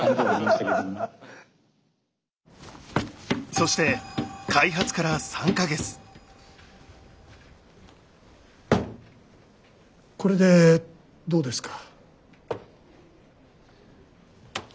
そして開発からこれでどうですか？